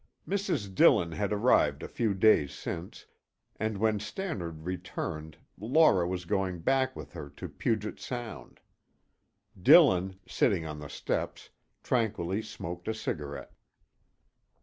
Mrs. Dillon had arrived a few days since, and when Stannard returned Laura was going back with her to Puget Sound. Dillon, sitting on the steps, tranquilly smoked a cigarette.